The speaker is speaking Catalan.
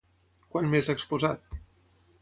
Quan més ha exposat?